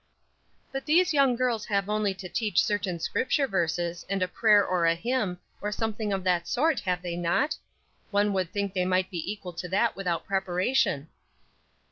"But these young girls have only to teach certain Scripture verses, and a prayer or a hymn, or something of that sort have they not? One would think they might be equal to that without preparation."